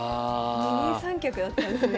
二人三脚だったんですね